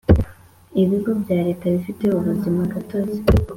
Ibigo bya Leta bifite ubuzimagatozi